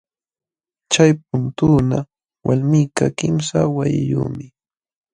Chay putuuna walmikaq kimsa wawiyuqmi.